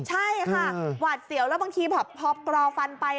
ใช่ค่ะหวาดเสียวแล้วบางทีแบบพอกรอฟันไป